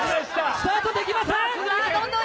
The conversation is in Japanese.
スタートできません。